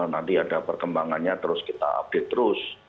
nanti ada perkembangannya terus kita update terus